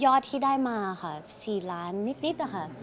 ยอดที่ได้มาค่ะ๔ล้านนิดค่ะ